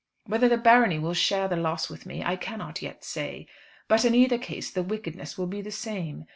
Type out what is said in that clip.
Whether the barony will share the loss with me I cannot yet say; but in either case the wickedness will be the same.